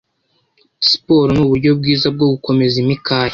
Siporo ni uburyo bwiza bwo gukomeza imikaya